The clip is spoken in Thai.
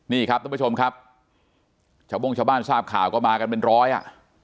นี่ครับท่านผู้ชมครับชาวโบ้งชาวบ้านทราบข่าวก็มากันเป็นร้อยอ่ะ